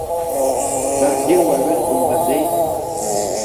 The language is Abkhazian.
Баргьы уаҩы дбымбаӡеи?